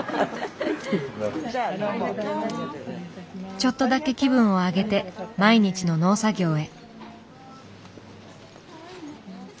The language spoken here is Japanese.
ちょっとだけ気分を上げて毎日の農作業へ。